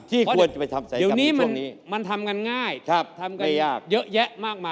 ที่ควรไปทำศัลยกรรม